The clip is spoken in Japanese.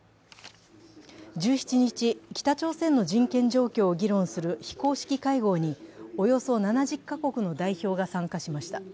１７日、北朝鮮の人権状況を議論する非公式会合におよそ７０か国の代表が参加しました。